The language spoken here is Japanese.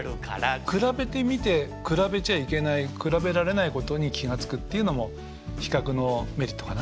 比べてみて比べちゃいけない比べられないことに気が付くっていうのも比較のメリットかな。